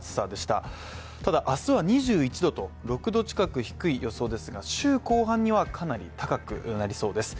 ただ明日は２１度と、６度近く低い予想ですが週後半にはかなり高くなりそうです。